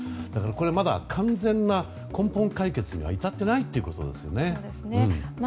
だから、これはまだ完全な根本解決には至っていないということですよね。